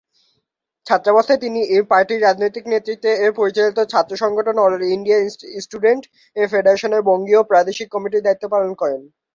ছাত্রাবস্থায় তিনি পার্টির রাজনৈতিক নেতৃত্বে পরিচালিত ছাত্র সংগঠন অল ইন্ডিয়া স্টুডেন্ট ফেডারেশনের বঙ্গীয় প্রাদেশিক কমিটির দায়িত্ব পালন করেন।